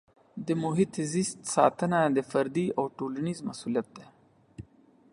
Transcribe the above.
د محیط زیست ساتنه د فردي او ټولنیز مسؤلیت دی.